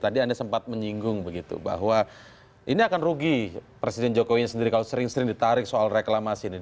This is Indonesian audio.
tadi anda sempat menyinggung begitu bahwa ini akan rugi presiden jokowi sendiri kalau sering sering ditarik soal reklamasi ini